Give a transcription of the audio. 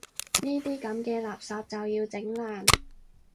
呢啲噉嘅垃圾就要整爛